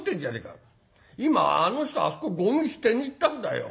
今あの人あそこごみ捨てに行ったんだよ。